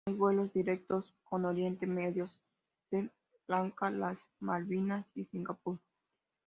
Hay vuelos directos con Oriente Medio, Sri Lanka, Las Maldivas y Singapur.